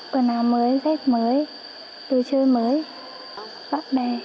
quần áo mới rét mới đồ chơi mới bạn bè